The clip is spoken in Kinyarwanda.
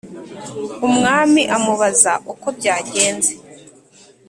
umwami amubaza uko byagenze,